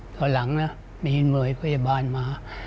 ตอนหลังมีหน่วยพยาบาลมา